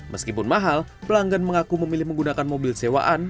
meskipun mahal pelanggan mengaku memilih menggunakan mobil sewaan